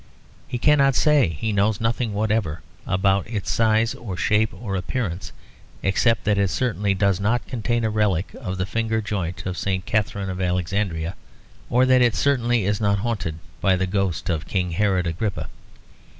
He cannot say he knows nothing whatever about its size or shape or appearance, except that it certainly does not contain a relic of the finger joint of St. Catherine of Alexandria, or that it certainly is not haunted by the ghost of King Herod Agrippa.